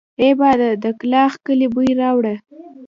اې باده د کلاخ کلي بوی راوړه!